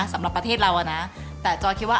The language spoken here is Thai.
สำหรับประเทศเราอะนะแต่จอยคิดว่า